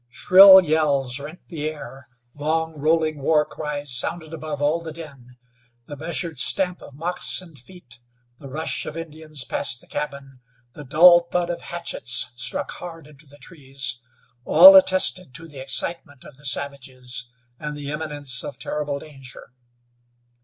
Shrill yells rent the air, long, rolling war cries sounded above all the din. The measured stamp of moccasined feet, the rush of Indians past the cabin, the dull thud of hatchets struck hard into the trees all attested to the excitement of the savages, and the imminence of terrible danger.